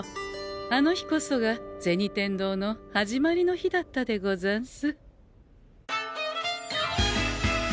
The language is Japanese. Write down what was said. あの日こそが銭天堂の始まりの日だったでござんす。